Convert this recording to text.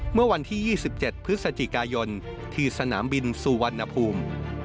เมื่อวันที่๒๗พฤศจิกายนที่สนามบินสุวรรณภูมิ